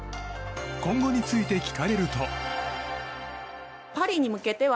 今後について聞かれると。